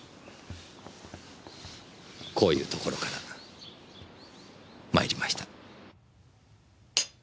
こういうところから参りました。